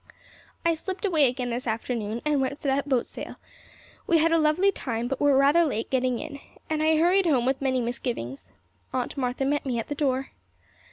I slipped away again this afternoon and went for that boat sail. We had a lovely time but were rather late getting in, and I hurried home with many misgivings. Aunt Martha met me at the door.